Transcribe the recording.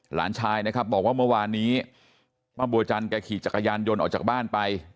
หลานชายนะครับบอกว่าเมื่อวานนี้ป้าบัวจันแกขี่จักรยานยนต์ออกจากบ้านไป